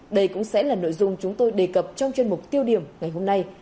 đây cũng sẽ là nội dung chúng tôi đề cập trong chuyên mục tiêu điểm ngày hôm nay